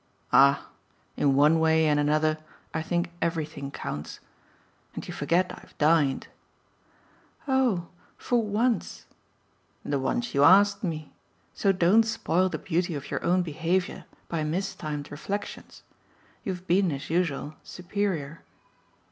"Ah in one way and another I think everything counts. And you forget I've dined." "Oh for once!" "The once you asked me. So don't spoil the beauty of your own behaviour by mistimed reflexions. You've been, as usual, superior."